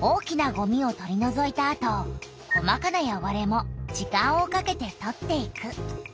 大きなごみを取りのぞいたあと細かなよごれも時間をかけて取っていく。